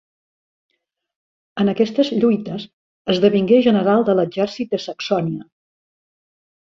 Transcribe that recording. En aquestes lluites esdevingué general de l'exèrcit de Saxònia.